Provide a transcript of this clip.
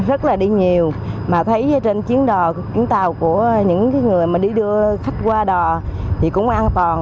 tôi rất là đi nhiều mà thấy trên chiến đò chiến tàu của những người mà đi đưa khách qua đò thì cũng an toàn